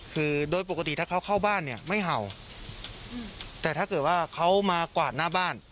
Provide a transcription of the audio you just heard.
คือโดยปกติถ้าเขาเข้าบ้านเนี่ยไม่เห่าแต่ถ้าเกิดว่าเขามากวาดหน้าบ้าน